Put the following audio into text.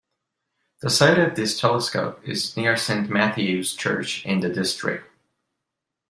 The site of this telescope is near Saint Matthew's church in the district.